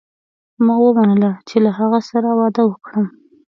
ما ومنله چې له هغه سره واده وکړم.